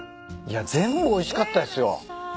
いや全部おいしかったですよ。